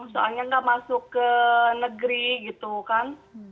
soalnya nggak masuk ke negeri gitu kan